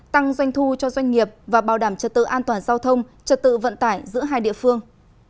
tăng doanh thu cho doanh nghiệp và bảo đảm trật tự an toàn giao thông trật tự vận tải giữa hai địa phương